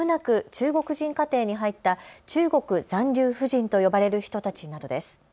中国人家庭に入った中国残留婦人と呼ばれる人たちなどです。